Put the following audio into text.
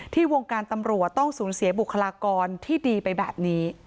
วงการตำรวจต้องสูญเสียบุคลากรที่ดีไปแบบนี้